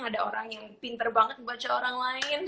ada orang yang pinter banget membaca orang lain